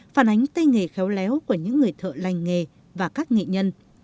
phản ánh tay nghề khéo léo của những người thợ lành nghề và các nghệ nhân